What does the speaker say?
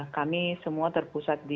kami semua terpusat di